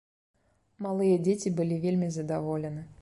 Малыя дзеці былі вельмі здаволены.